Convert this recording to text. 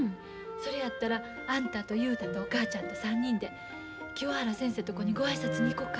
それやったらあんたと雄太とお母ちゃんと３人で清原先生とこにご挨拶に行こか。